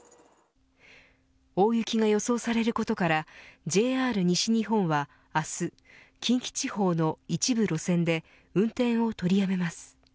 大雪が予想されることからＪＲ西日本は明日近畿地方の一部路線で運転を取りやめます。